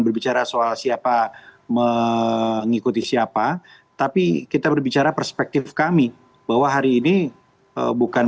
berbicara soal siapa mengikuti siapa tapi kita berbicara perspektif kami bahwa hari ini bukan